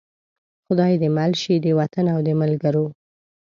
خدای دې مل شي د وطن او د ملګرو.